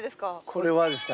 これはですね